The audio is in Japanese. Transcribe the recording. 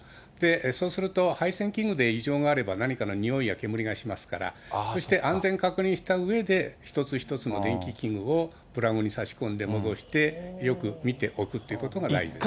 そうすると、配線器具で異常があれば何かのにおいや煙がしますから、そして安全確認したうえで、一つ一つの電気器具をプラグに差し込んで戻してよく見ておくということが大事ですね。